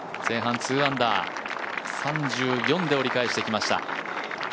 前半２アンダー、３４で折り返してきました。